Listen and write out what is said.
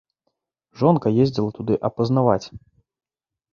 Жонка ездзіла туды апазнаваць.